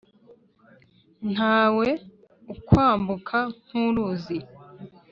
Nta we ukwambuka nk’uruzi,